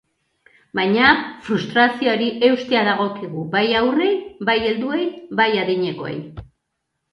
Baina frustrazioari eustea dagokigu, bai haurrei, bai helduei, bai adinekoei.